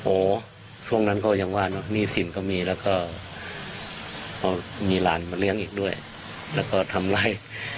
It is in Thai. โอ้ช่วงนั้นก็ยังว่าเนอะหนี้สินก็มีแล้วก็พอมีหลานมาเลี้ยงอีกด้วยแล้วก็ทำไล่